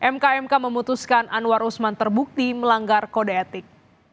mk mk memutuskan anwar usman terbukti melanggar kode etik